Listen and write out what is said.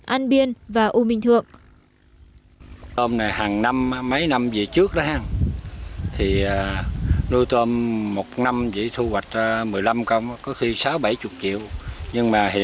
an biên và u minh thượng